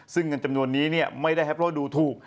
ซึ่งเงินจำนวนนี้ไม่ได้แฮปโลดูถูก